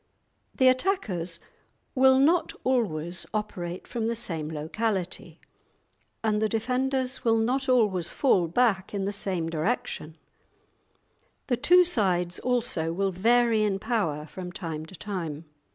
The attackers will not always operate from the same locality, and the defenders will not always fall back in the same direction; the two sides, also, will vary in power from time to time.